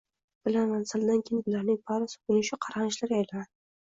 Bilaman, saldan keyin bularning bari so‘kinishu qarg‘anishlarga aylanadi